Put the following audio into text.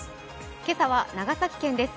今朝は長崎県です。